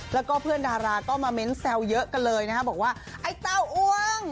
แล้วก็เพื่อนดาราก็มาเม้นแซวเยอะกันเลยนะฮะบอกว่าไอ้เต้าอ้วง